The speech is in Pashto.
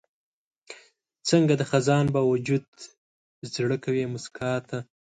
څنګه د خزان باوجود زړه کوي موسکا ته؟